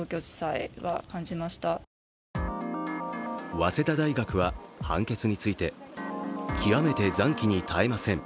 早稲田大学は判決について、極めて慚愧に堪えません。